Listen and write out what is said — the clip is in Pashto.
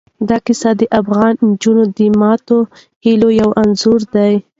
دا کیسه د افغان نجونو د ماتو هیلو یو انځور دی.